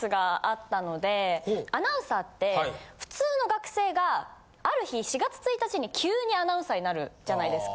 アナウンサーって普通の学生がある日４月１日に急にアナウンサーになるじゃないですか。